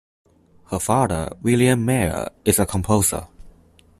Her father, William Mayer, is a composer.